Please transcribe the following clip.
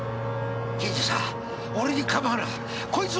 刑事さん俺に構うなこいつを捕まえろ。